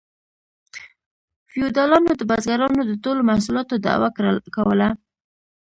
فیوډالانو د بزګرانو د ټولو محصولاتو دعوه کوله